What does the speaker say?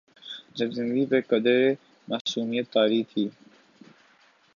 جب زندگی پہ قدرے معصومیت طاری تھی۔